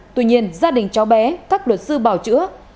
tuy nhiên gia đình cháu bé các luật sư bảo chữa